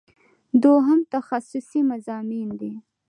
دوهم تخصصي مضامین دي.